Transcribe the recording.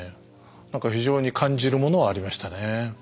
何か非常に感じるものはありましたね。